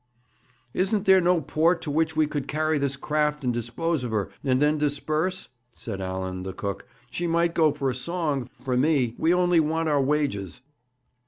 'Isn't there no port to which we could carry this craft and dispose of her, and then disperse?' said Allan, the cook. 'She might go for a song, for me. We only want our wages.'